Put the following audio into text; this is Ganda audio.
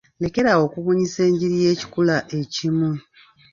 Lekera awo okubunyisa enjiri y'ekikula ekimu.